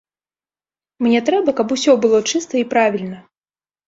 Мне трэба, каб усё было чыста і правільна.